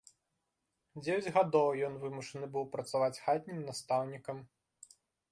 Дзевяць гадоў ён вымушаны быў працаваць хатнім настаўнікам.